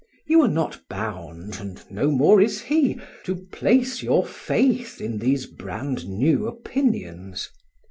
You are not bound, and no more is he, to place your faith in these brand new opinions.